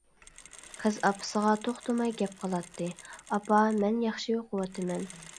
قىز ئاپىسىغا توختىماي گەپ قىلاتتى:-ئاپا، مەن ياخشى ئوقۇۋاتىمەن.